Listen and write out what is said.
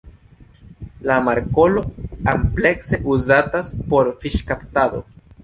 La markolo amplekse uzatas por fiŝkaptado.